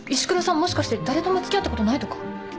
もしかして誰とも付き合ったことないとか？